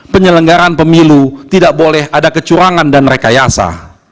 penyelenggaraan pemilu tidak boleh ada kecurangan dan rekayasa